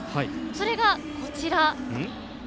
それが、こちら。